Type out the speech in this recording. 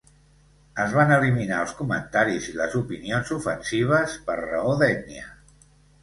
Es van eliminar els comentaris i les opinions ofensives per raó d'ètnia.